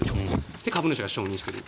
で、株主が承認している。